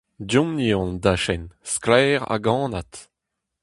Deomp-ni eo an dachenn, sklaer hag anat !